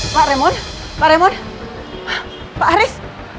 pak remon pak remon pak aris